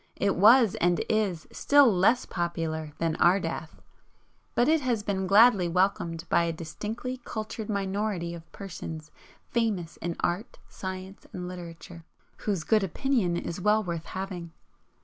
It was and is still less 'popular' than "Ardath" but it has been gladly welcomed by a distinctly cultured minority of persons famous in art, science and literature, whose good opinion is well worth having.